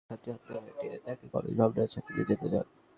তিনি ছাত্রীর হাত ধরে টেনে তাকে কলেজ ভবনের ছাদে নিয়ে যেতে চান।